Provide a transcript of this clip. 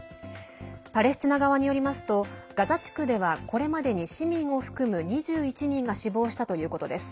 パレスチナ側によりますとガザ地区ではこれまでに市民を含む２１人が死亡したということです。